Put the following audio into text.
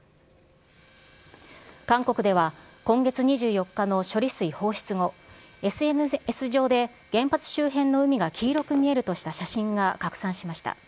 韓国では、今月２４日の処理水放出後、ＳＮＳ上で原発周辺の海が黄色く見えるとした写真が拡散しました。